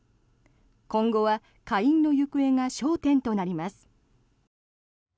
今後は下院の行方が焦点となります。